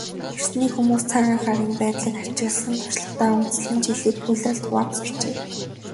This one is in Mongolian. Эртний хүмүүс цаг агаарын байдлыг ажигласан туршлагадаа үндэслэн жилийг улиралд хувааж сурчээ.